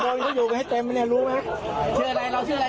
คนเขาอยู่ไปให้เต็มไปเนี่ยรู้ไหมชื่ออะไรเราชื่ออะไร